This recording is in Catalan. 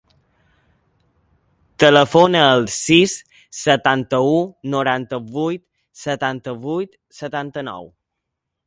Telefona al sis, setanta-u, noranta-vuit, setanta-vuit, setanta-nou.